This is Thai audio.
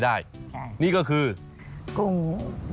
แม่เล็กครับ